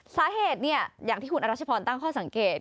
สาเหตุอย่างที่คุณอรัชพรตั้งข้อสังเกต